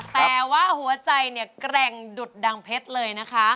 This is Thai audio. แต่ว่าหัวใจเนี่ยแกร่งดุดดังเพชรเลยนะคะ